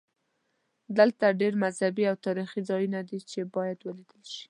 دلته ډېر مذهبي او تاریخي ځایونه دي چې باید ولیدل شي.